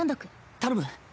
頼む。